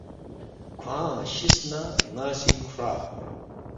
کھوانگ شِس نہ ن٘ا سی کھروا